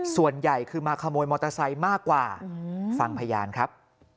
ส่วนใหญ่คือมาขโมยมอเตอร์ไซค์มากกว่าฟังพยานครับ